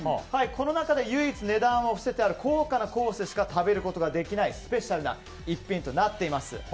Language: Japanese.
この中で唯一値段を伏せてある高価なコースでしか食べることができないスペシャルな一品となっております。